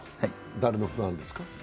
誰のファンですか？